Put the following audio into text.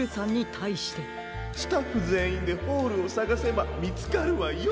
かいそうスタッフぜんいんでホールをさがせばみつかるわよ。